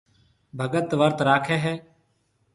ڀگت ورت راکيَ هيَ۔